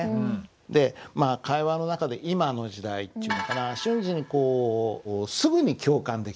でまあ会話の中で今の時代っていうのかな瞬時にこうすぐに共感できる。